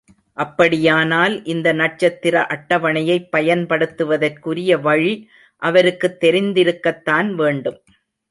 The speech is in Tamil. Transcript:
அப்படியானால், இந்த நட்சத்திர அட்டவணையைப் பயன்படுத்துவதற்குரிய வழி அவருக்குத் தெரிந்திருக்கத்தான் வேண்டும்.